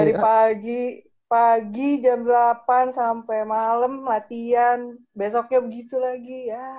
dari pagi pagi jam delapan sampai malam latihan besoknya begitu lagi ya